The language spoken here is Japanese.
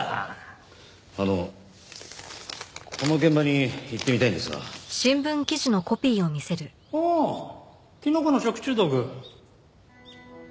あのこの現場に行ってみたいんですが。ああキノコの食中毒。